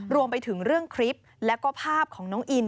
รวมไปถึงเรื่องคลิปแล้วก็ภาพของน้องอิน